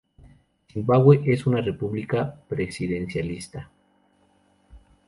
Zimbabue es una República presidencialista.